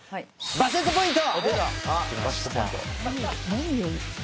バシッとポイント」